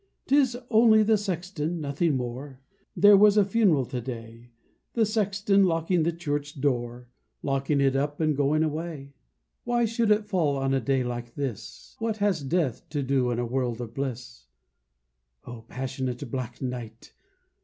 'Tis only the sexton, nothing more There was a funeral to day The sexton locking the church door, Locking it up and going away. Why should it fall on a day like this? What has death to do in a world of bliss? O passionate black night!